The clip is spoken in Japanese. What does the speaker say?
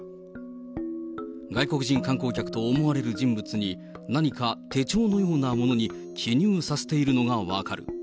外国人観光客と思われる人物に、何か手帳のようなものに記入させているのが分かる。